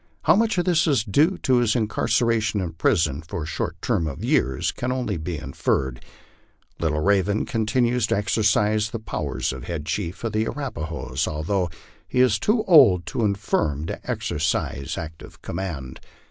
How much of this is due to his incar ceration in prison for a short term of years can only be inferred. LitfJs Iw'v ven continues to exercise the powers of head chief of the Arapnhoes, although he is too old and infirm to exercise active command.